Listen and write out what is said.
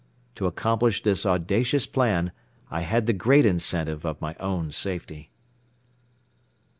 To accomplish this audacious plan I had the great incentive of my own safety.